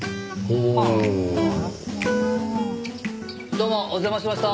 どうもお邪魔しました！